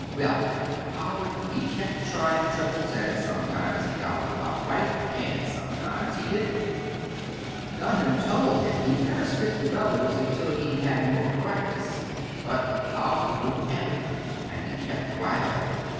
"Well, Howard he kept trying triples, and sometimes he got 'em about right and sometimes he didn't. Dunham told him he'd better stick to doubles until he'd had more practice, but Howard wouldn't have it, and he kept right on.